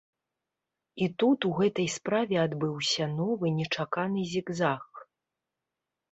І тут у гэтай справе адбыўся новы нечаканы зігзаг.